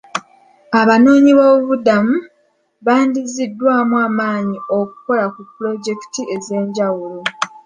Abanoonyi b'obubuddamu badiziddwaamu amaanyi okukola ku pulojekiti ez'enjawulo.